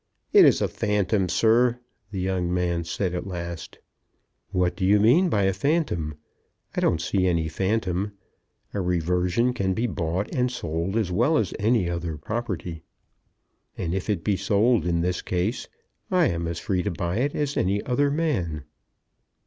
"It is a phantom, sir!" the young man said at last. "What do you mean by a phantom? I don't see any phantom. A reversion can be bought and sold as well as any other property. And if it be sold in this case, I am as free to buy it as any other man."